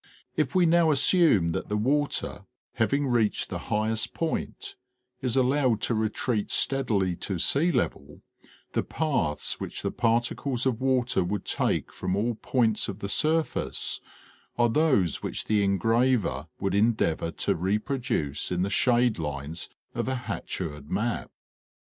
If now we assume that the water, having reached the highest point, is allowed to retreat steadily to sea level the paths which the particles of water would take from all points of the surface are those which the engraver would endeavor to re produce in the shade lines of a hachured map.